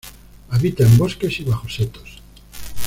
Habita en bosques y bajo setos.